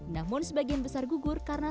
namun sebagian besar gugur karena